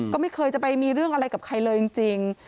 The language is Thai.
ก็ไม่เคยจะไปมีเรื่องอะไรกับใครเลยจริง